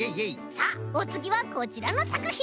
さあおつぎはこちらのさくひん！